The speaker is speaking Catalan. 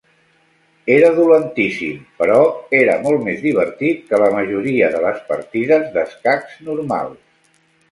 Era dolentíssim, però era molt més divertit que la majoria de les partides d'escacs normals.